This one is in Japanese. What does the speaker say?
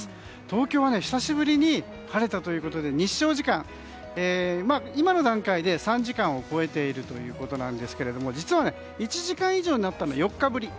東京は久しぶりに晴れたということで日照時間、今の段階で３時間を超えているということですけど実は１時間以上になったのは４日ぶり。